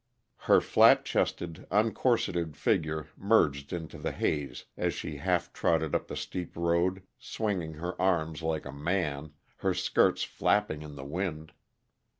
Her flat chested, un corseted figure merged into the haze as she half trotted up the steep road, swinging her arms like a man, her skirts flapping in the wind.